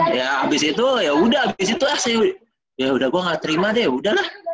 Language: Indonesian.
jadi ya abis itu ya udah abis itu ya saya ya udah gue gak terima deh ya udah lah